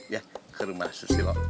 ya ke rumah susilo